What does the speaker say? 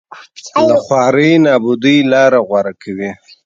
له خوارۍ نابودۍ لاره غوره کوي